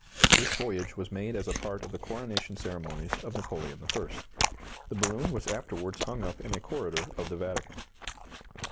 This voyage was made as a part of the coronation ceremonies of Napoleon I. The balloon was afterwards hung up in a corridor of the Vatican.